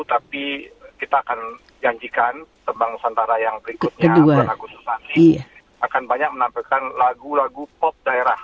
tapi kita akan janjikan tembang nusantara yang berikutnya lagu susani akan banyak menampilkan lagu lagu pop daerah